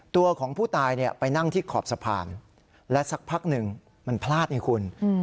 ตัวของผู้ตายไปนั่งที่ขอบสะพานและสักพักหนึ่งมันพลาดไงคุณ